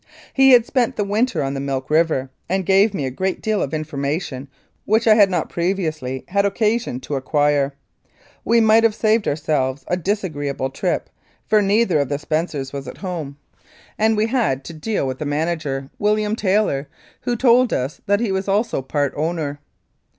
He had spent the winter on the Milk River, and gave me a great deal of informa tion which I had not previously had occasion to acquire. We might have saved ourselves a disagreeable trip, for neither of the Spencers was at home and we had 1 60 Wholesale Cattle Smuggling to deal with the manager, William Taylor, who told us that he was also part owner.